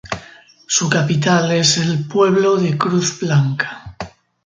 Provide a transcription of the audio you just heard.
Su capital es el pueblo de Cruz Blanca.